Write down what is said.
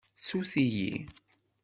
Ttut-iyi.